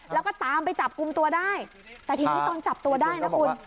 แล้วก็ตามไปจับกลุ่มตัวได้แต่ทีนี้ตอนจับตัวได้นะคุณ